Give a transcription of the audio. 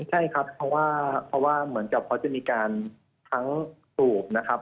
ใช่ครับเพราะว่าเหมือนกับเขาจะมีการทั้งสูบนะครับ